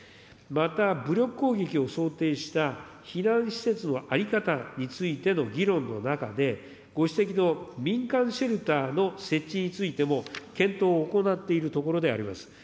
また、武力攻撃を想定した避難施設の在り方についての議論の中で、ご指摘の民間シェルターの設置についても、検討を行っているところであります。